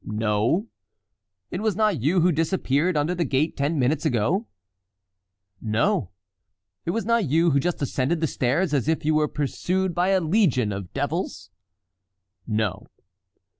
"No." "It was not you who disappeared under the gate ten minutes ago?" "No." "It was not you who just ascended the stairs as if you were pursued by a legion of devils?" "No."